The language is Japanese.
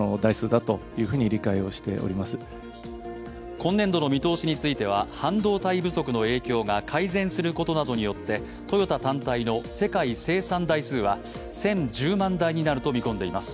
今年度の見通しについては、半導体不足の影響が改善することなどによってトヨタ単体の世界生産台数は１０１０万台になると見込んでいます。